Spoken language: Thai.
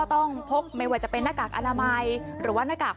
โดนโรงคนไทยใส่หน้ากากอนามัยป้องกันโควิด๑๙กันอีกแล้วค่ะ